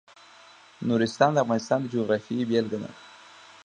نورستان د افغانستان د جغرافیې بېلګه ده.